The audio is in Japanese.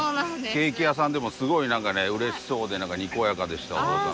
ケーキ屋さんでもすごいなんかね、うれしそうでにこやかでした、お父さん。